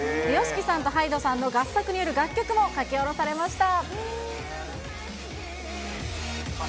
ＹＯＳＨＩＫＩさんとＨＹＤＥさんの合作による楽曲も書き下ろされました。